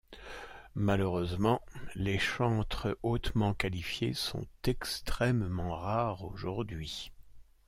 Malheureusement, les chantres hautement qualifiés sont extrêmement rares aujourd'hui.